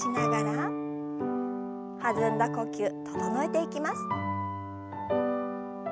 弾んだ呼吸整えていきます。